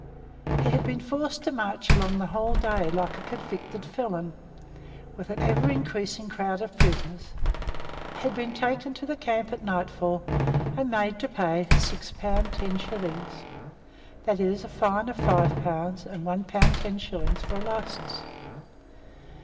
He had been forced to march along the whole day like a convicted felon, with an ever increasing crowd of prisoners, had been taken to the camp at nightfall and made to pay 6 pounds 10s. viz., a fine of 5 pounds and 1 pound 10s. for a license.